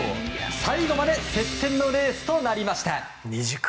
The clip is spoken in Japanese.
最後まで接戦のレースとなりました。